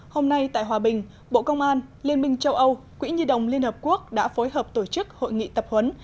hôm nay tại hòa bình bộ công an liên minh châu âu quỹ nhi đồng liên hợp quốc đã phối hợp tổ chức hội nghị tập huấn